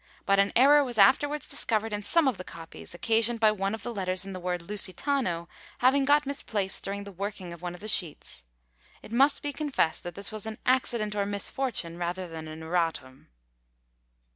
But an error was afterwards discovered in some of the copies, occasioned by one of the letters in the word Lusitano having got misplaced during the working of one of the sheets. It must be confessed that this was an accident or misfortune rather than an _Erratum!